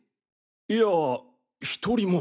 いや１人も。